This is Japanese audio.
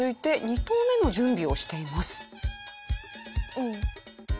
うん。